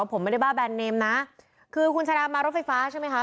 ผมไม่ได้บ้าแบรนดเนมนะคือคุณชาดามารถไฟฟ้าใช่ไหมคะ